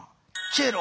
チェロ！